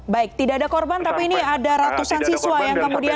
baik tidak ada korban tapi ini ada ratusan siswa yang kemudian